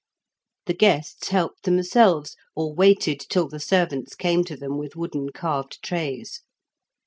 The guests helped themselves, or waited till the servants came to them with wooden carved trays.